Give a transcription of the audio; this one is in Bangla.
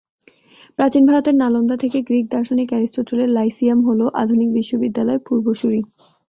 প্রাচীন ভারতের নালন্দা থেকে গ্রিক দার্শনিক অ্যারিস্টটলের লাইসিয়াম হলো আধুনিক বিশ্ববিদ্যালয়ের পূর্বসূরি।